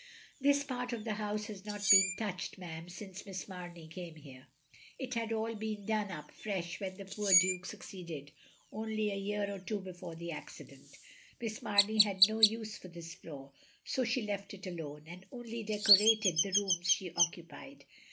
"This part of the house has not been touched, ma'am, since Miss Mamey came here. It had all been done up fresh when the poor Duke suc ceeded, only a year or two before the accident. Miss Mamey had no use for this floor, so she left it alone, and only decorated the rooms she oc cupied.